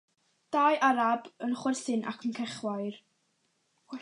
Dau Arab yn chwerthin ac yn cellwair.